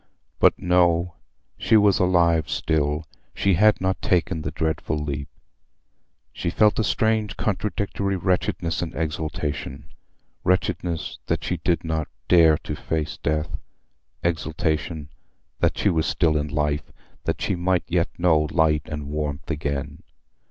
But no: she was alive still; she had not taken the dreadful leap. She felt a strange contradictory wretchedness and exultation: wretchedness, that she did not dare to face death; exultation, that she was still in life—that she might yet know light and warmth again.